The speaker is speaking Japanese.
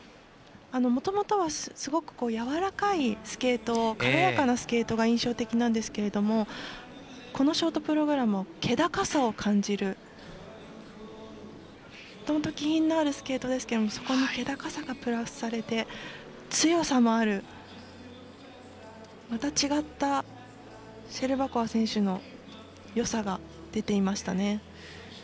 もともとはすごくやわらかいスケート軽やかなスケートが印象的なんですけどもこのショートプログラムは気高さを感じるもともと気品のあるスケートですけれどもそこに気高さがプラスされて強さもある、また違ったシェルバコワ選手のよさが出ていましたね。